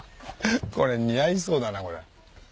これ似合いそうだな。